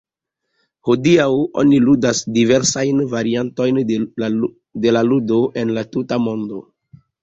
Hodiaŭ oni ludas diversajn variantojn de la ludo en la tuta mondo.